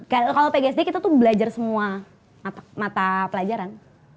kalau pgsd kita tuh belajar semua mata pelajaran